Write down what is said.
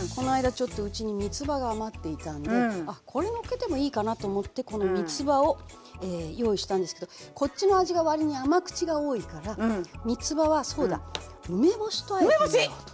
ちょっとうちにみつばが余っていたんであこれのっけてもいいかなと思ってこのみつばを用意したんですけどこっちの味が割に甘口が多いからみつばはそうだ梅干しとあえてみようと。